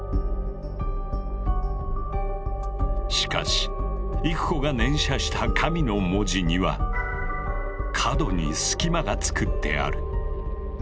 しかし郁子が念写した「神」の文字には角に隙間が作ってある。